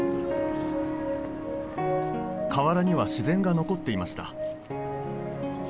河原には自然が残っていました